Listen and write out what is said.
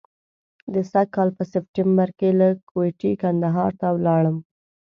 د سږ کال په سپټمبر کې له کوټې کندهار ته ولاړم.